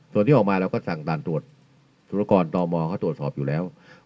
ส่วนที่ออกมาเราก็สั่งด่านตรวจสุรกรมอเขาตรวจสอบอยู่แล้ว